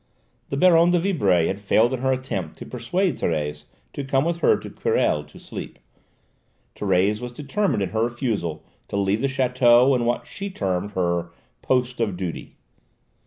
The Baronne de Vibray had failed in her attempt to persuade Thérèse to come with her to Querelles to sleep. Thérèse was determined in her refusal to leave the château and what she termed her "post of duty."